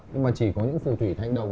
nhưng mà chỉ có những phù thủy thanh đồng